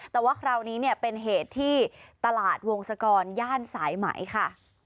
แต่ว่าคราวนี้เนี่ยเป็นเหตุที่ตลาดวงศกรย่านสายไหมค่ะ